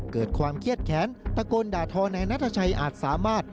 เกิดความเครียดแขนตะโกนด่าทอนายนัทชัยอาจสามารถ